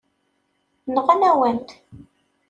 Nɣan-awen-t.